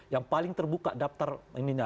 yang paling terbuka daftar ini ya